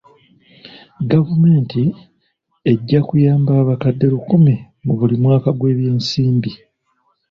Gavumenti ejja kuyamba abakadde lukumi mu buli mwaka gw'ebyensimbi.